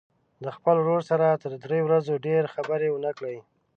له خپل ورور سره تر درې ورځو ډېرې خبرې ونه کړي.